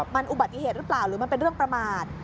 มันอุบัติเหตุหรือเปล่าหรือมันเป็นเรื่องประมาท